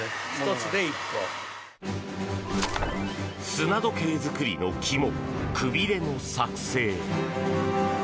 砂時計作りの肝くびれの作成。